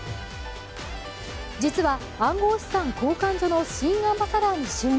実は暗号資産交換所の新アンバサダーに就任。